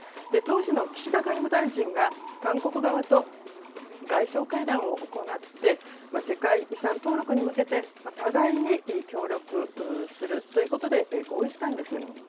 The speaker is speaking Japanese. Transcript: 当時の岸田外務大臣が韓国側と外相会談を行って、世界遺産登録に向けて互いに協力するということで合意したんです。